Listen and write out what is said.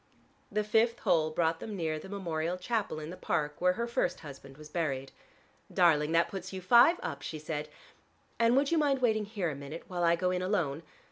The fifth hole brought them near the memorial chapel in the Park, where her first husband was buried. "Darling, that puts you five up," she said, "and would you mind waiting here a minute, while I go in alone?